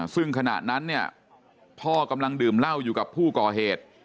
ซึ่งขณะนั้นเนี่ยพ่อกำลังดื่มเหล้าอยู่กับผู้ก่อเหตุ